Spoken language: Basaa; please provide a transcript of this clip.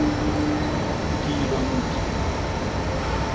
Kiiba mut.